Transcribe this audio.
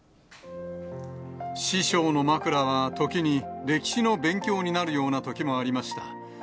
師匠のまくらは時に、歴史の勉強になるようなときもありました。